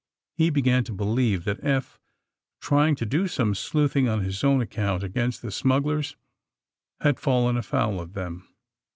He began to believe that Eph, tr^dng to do some sleuthing on his own ac count against the smugglers, had fallen afoul of them.